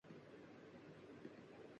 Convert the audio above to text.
عذر میرے قتل کرنے میں وہ اب لائیں گے کیا